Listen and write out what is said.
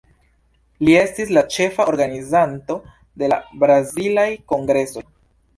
Li estis la ĉefa organizanto de la Brazilaj Kongresoj.